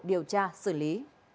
điều tra xử lý